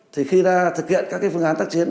thì khi ra thực hiện các cái phương án tác chiến